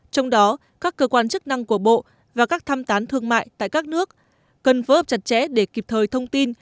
trong đó các cơ quan chức năng của bộ và các tham tán thương mại tại các nước cần phối hợp chặt chẽ để kịp thời thông tin